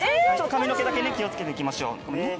髪の毛だけね気を付けていきましょう。